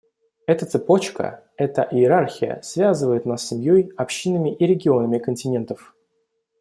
Эта цепочка, эта иерархия, связывает нас с семьей, общинами и регионами континентов.